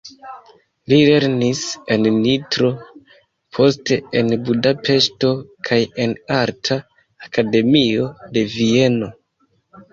Li lernis en Nitro, poste en Budapeŝto kaj en arta akademio de Vieno.